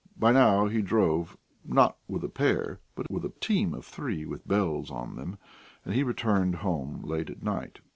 By now he drove, not with a pair, but with a team of three with bells on them, and he returned home late at night.